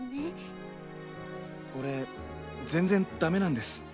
俺全然ダメなんです。